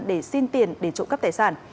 để xin tiền để trụ cấp tài sản